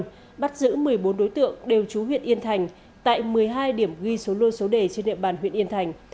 bắt giữ một mươi bốn đối tượng đều trú huyện yên thành tại một mươi hai điểm ghi số lô số đề trên địa bàn huyện yên thành